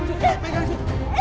saya bukan pasien